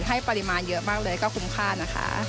ให้ปริมาณเยอะมากเลยก็คุ้มค่านะคะ